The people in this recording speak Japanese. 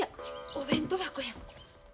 お弁当箱。